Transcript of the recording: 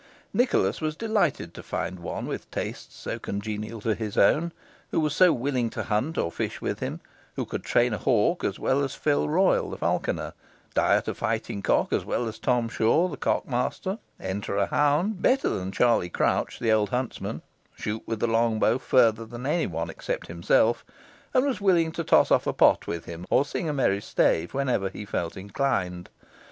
Nicholas was delighted to find one with tastes so congenial to his own, who was so willing to hunt or fish with him who could train a hawk as well as Phil Royle, the falconer diet a fighting cock as well as Tom Shaw, the cock master enter a hound better than Charlie Crouch, the old huntsman shoot with the long bow further than any one except himself, and was willing to toss off a pot with him, or sing a merry stave whenever he felt inclined.